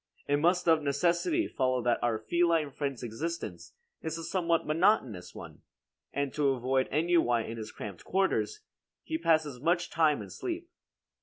It must of necessity follow that our feline friend's existence is a somewhat monotonous one, and to avoid ennui in his cramped quarters, he passes much time in sleep.